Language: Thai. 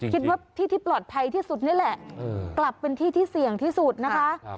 คิดว่าที่ที่ปลอดภัยที่สุดนี่แหละกลับเป็นที่ที่เสี่ยงที่สุดนะคะ